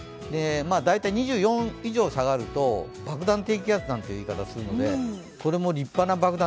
大体２４以上下がると、爆弾低気圧なんていう言い方をするのでこれも立派な爆弾